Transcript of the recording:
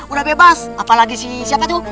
udah bebas apalagi sih siapa tuh